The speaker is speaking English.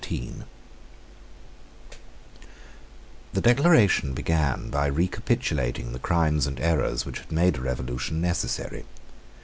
The Declaration began by recapitulating the crimes and errors which had made a revolution necessary.